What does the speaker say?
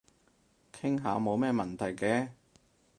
傾下冇咩問題嘅